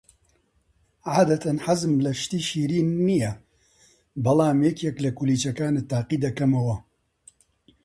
عادەتەن حەزم لە شتی شیرین نییە، بەڵام یەکێک لە کولیچەکانت تاقی دەکەمەوە.